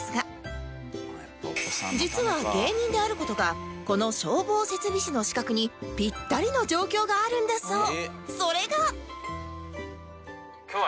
実は芸人である事がこの消防設備士の資格にピッタリの状況があるんだそう